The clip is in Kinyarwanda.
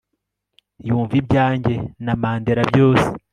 yumva ibyanjye na Mandela byose